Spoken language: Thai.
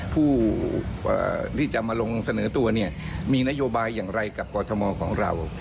ผู้ที่จะมาลงเสนอตัวเนี่ยมีนโยบายอย่างไรกับกรทมของเรา